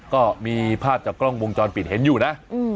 ก็มีภาพจากกล้องวงจรปิดเห็นอยู่นะ